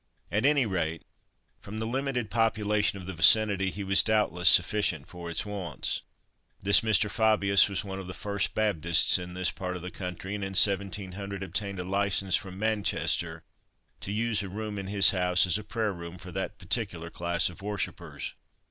At any rate, from the limited population of the vicinity, he was doubtless sufficient for its wants. This Mr. Fabius was one of the first Baptists in this part of the country, and in 1700 obtained a license from Manchester, to use a room in his house as a prayer room for that particular class of worshippers.